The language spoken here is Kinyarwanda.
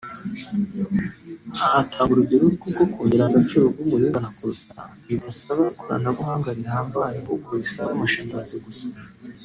Aha atanga urugero rw’uko kongerera agaciro umuringa na Coltan bidasaba ikoranabuhanga rihambaye ahubwo bisaba amashanyarazi gusa